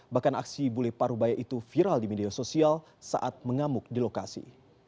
bahkan aksi bule parubaya itu viral di media sosial saat mengamuk di lokasi